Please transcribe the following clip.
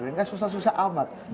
nggak susah susah amat